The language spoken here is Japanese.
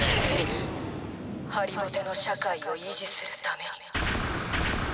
ハリボテの社会を維持する為に。